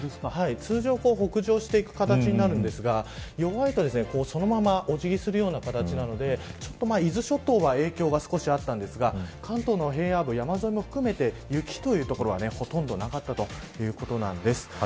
通常は北上していく形になるんですが弱いと、そのままお辞儀するような形なので伊豆諸島は影響が少しあったんですが関東の平野部、山沿いも含めて雪という所は、ほとんどなかったということです。